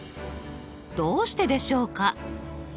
どうしてでしょうか？